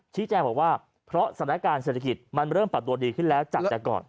แจ้งบอกว่าเพราะสถานการณ์เศรษฐกิจมันเริ่มปรับตัวดีขึ้นแล้วจากแต่ก่อน